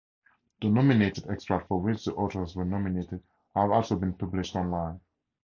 The nominated extracts for which the authors were nominated have also been published online.